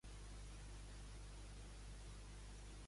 A Sabadell han quedat uns museus amb poc pressupost que fan el que poden